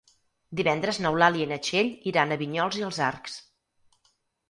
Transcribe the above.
Divendres n'Eulàlia i na Txell iran a Vinyols i els Arcs.